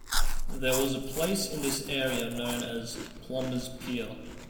There was a place in this area known as Plummer's Pier.